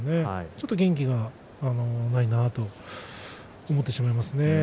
ちょっと元気がないなと思ってしまいますね。